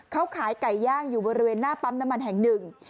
เขาขายไก่ย่างอยู่บริเวณหน้าปั๊มน้ำมันแห่งหนึ่ง